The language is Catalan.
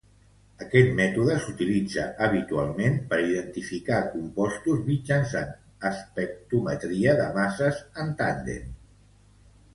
Aquest mètode s'utilitza habitualment per identificar compostos mitjançant espectrometria de masses en tàndem.